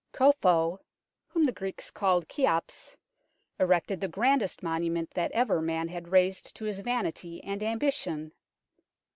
Khufu (whom the Greeks called Cheops) erected the grandest monument that ever man had raised to his vanity and ambition.